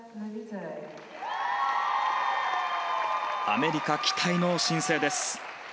アメリカ期待の新星です。